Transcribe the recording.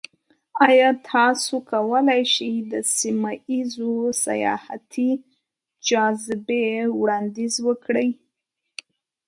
ایا تاسو کولی شئ د سیمه ایزو سیاحتي جاذبې وړاندیز وکړئ؟